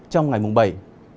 trong ba ngày tới